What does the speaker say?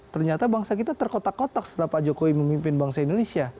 ternyata bangsa kita terkotak kotak setelah pak jokowi memimpin bangsa indonesia